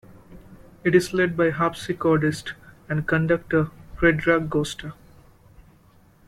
It is led by harpsichordist and conductor Predrag Gosta.